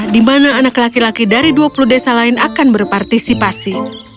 di mana anak laki laki dari dua puluh desa lain akan berpartisipasi